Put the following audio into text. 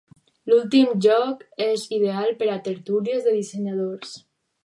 L'últim joc és ideal per a tertúlies de dissenyadors.